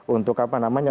untuk apa namanya